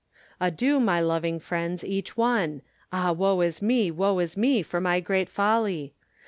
Adue my loving friends, each one: Ah woe is me, woe is me, for my great folly!